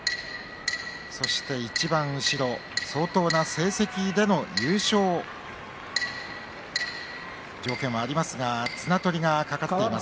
そして相当な成績での優勝条件がありますが綱取りが懸かっています